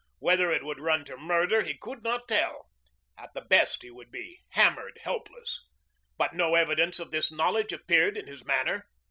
Whether it would run to murder he could not tell. At the best he would be hammered helpless. But no evidence of this knowledge appeared in his manner.